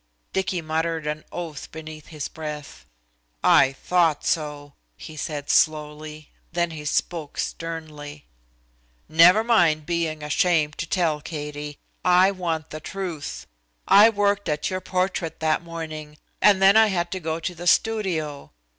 Dicky muttered an oath beneath his breath. "I thought so," he said slowly, then he spoke sternly: "Never mind being ashamed to tell, Katie. I want the truth. I worked at your portrait that morning, and then I had to go to the studio.